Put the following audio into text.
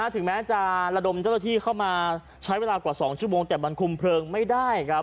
ถึงแม้จะระดมเจ้าหน้าที่เข้ามาใช้เวลากว่า๒ชั่วโมงแต่มันคุมเพลิงไม่ได้ครับ